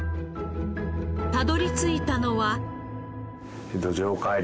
たどり着いたのは。